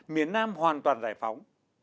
miền nam hoàn toàn giải phóng